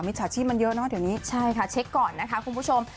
แล้วก็บอกให้แฟนคลับช่วยกระจายกระจายกันให้หน่อยนะคะ